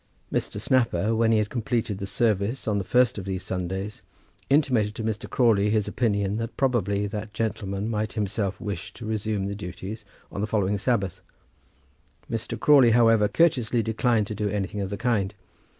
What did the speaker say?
Mr. Snapper, when he had completed the service on the first of these Sundays, intimated to Mr. Crawley his opinion that probably that gentleman might himself wish to resume the duties on the following Sabbath. Mr. Crawley, however, courteously declined to do anything of the kind.